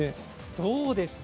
どうですか？